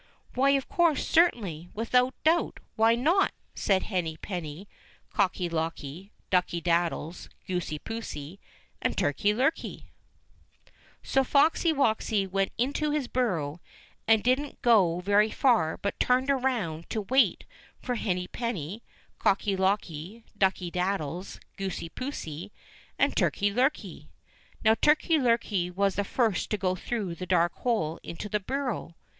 "Why of course, certainly, without doubt, why not?" said Henny penny, Cocky locky, Ducky daddies, Goosey poosey, and Turkey lurkey. HENNY PENNY 219 So Foxy woxy went into his burrow, and he didn't go very far but turned round to wait for Henny penny, Cocky locky, Ducky daddies, Goosey poosey, and Turkey lurkey. Now Turkey lurkey was the first to go through the dark hole into the burrow.